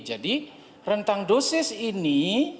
jadi rentang dosis ini